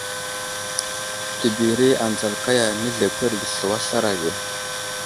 Təbiri anzal kaya, nəzlekwerge slu a aslar age.